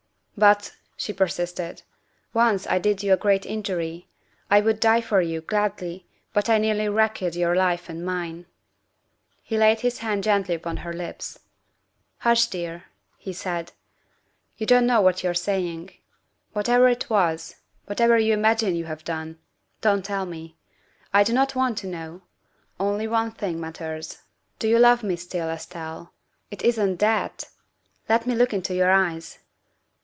" But," she persisted, " once I did you a great in jury. I would die for you, gladly, but I nearly wrecked your life and mine." He laid his hand gently upon her lips. '' Hush, dear, '' he said, '' you don 't know what you 're saying. "Whatever it was, whatever you imagine you have done, don't tell me. I do not want to know. Only one thing matters. Do you love me still, Estelle it isn't that? Let me look into your eyes."